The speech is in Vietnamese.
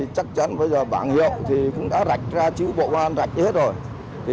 chắc chắn bây giờ bảng hiệu cũng đã rạch ra chữ bộ công an rạch đi hết rồi